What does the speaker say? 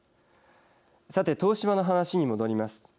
さて、東芝の話に戻ります。